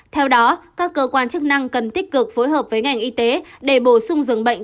theo đó các cơ quan chức năng cần tích cực phối hợp với ngành y tế để bổ sung dường bệnh